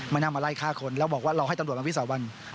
นั่งมาไล่ฆ่าคนแล้วบอกว่ารอให้ตำรวจมาวิสาวัน